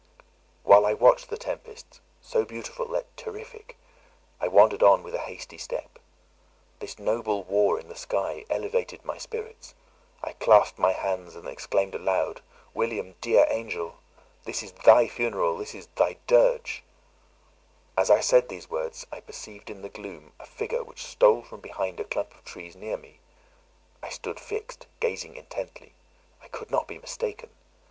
While I watched the tempest, so beautiful yet terrific, I wandered on with a hasty step. This noble war in the sky elevated my spirits; I clasped my hands, and exclaimed aloud, "William, dear angel! this is thy funeral, this thy dirge!" As I said these words, I perceived in the gloom a figure which stole from behind a clump of trees near me; I stood fixed, gazing intently: I could not be mistaken.